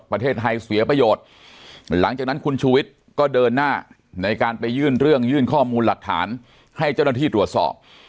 ประเทศไทยเสียประโยชน์หลังจากนั้นคุณชูวิทย์ก็เดินหน้าในการไปยื่นเรื่องยื่นข้อมูลหลักฐานให้เจ้าหน้าที่ตรวจสอบ